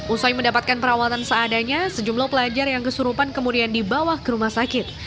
usai mendapatkan perawatan seadanya sejumlah pelajar yang kesurupan kemudian dibawa ke rumah sakit